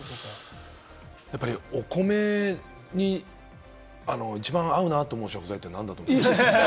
お米に一番合うなと思う食材って何だと思いますか？